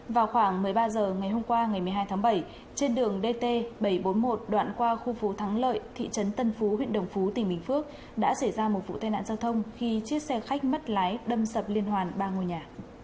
vào khoảng một mươi ba h ngày hôm qua ngày một mươi hai tháng bảy trên đường dt bảy trăm bốn mươi một đoạn qua khu phố thắng lợi thị trấn tân phú huyện đồng phú tỉnh bình phước đã xảy ra một vụ tai nạn giao thông khi chiếc xe khách mất lái đâm sập liên hoàn ba ngôi nhà